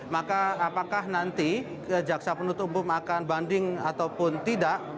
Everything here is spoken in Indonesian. maka apakah nanti jaksa penuntut umum akan banding ataupun tidak